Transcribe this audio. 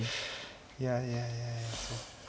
いやいやいやそっか。